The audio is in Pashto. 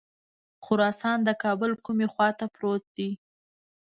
خراسان د کابل کومې خواته پروت دی.